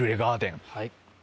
はい。